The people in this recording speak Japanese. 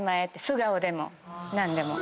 素顔でも何でも。